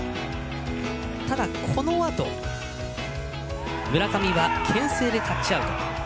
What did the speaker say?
ただ、このあと村上はけん制でタッチアウト。